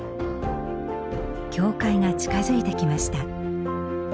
教会が近づいてきました。